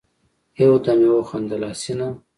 يودم يې وخندل: حسينه!